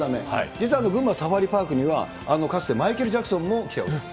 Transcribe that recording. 実は群馬サファリパークには、かつてマイケル・ジャクソンも来ております。